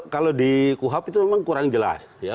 kalau di kuhap itu memang kurang jelas ya